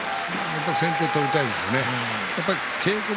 先手を取りたいですね。